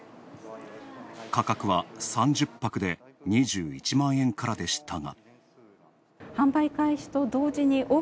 価格は３０泊で２１万円からでしたが。